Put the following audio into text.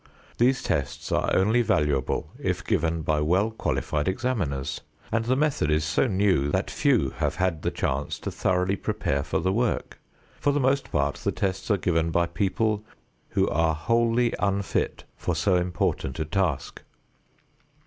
These tests are only valuable if given by well qualified examiners, and the method is so new that few have had the chance to thoroughly prepare for the work. For the most part the tests are given by people who are wholly unfit for so important a task.